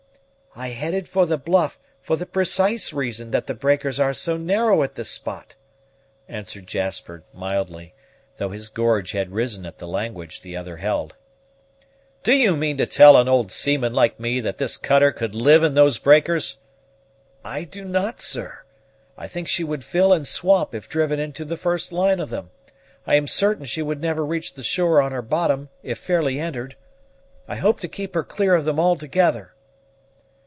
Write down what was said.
"I headed for the bluff, for the precise reason that the breakers are so narrow at this spot," answered Jasper mildly, though his gorge had risen at the language the other held. "Do you mean to tell an old seaman like me that this cutter could live in those breakers?" "I do not, sir. I think she would fill and swamp if driven into the first line of them; I am certain she would never reach the shore on her bottom, if fairly entered. I hope to keep her clear of them altogether."